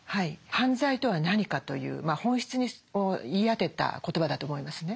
「犯罪とは何か」という本質を言い当てた言葉だと思いますね。